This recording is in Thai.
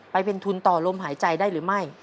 ไปเป็นทุนต่อลมหายใจได้หรือไม่